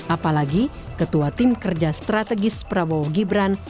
apalagi ketua tim kerja strategis prabowo gibran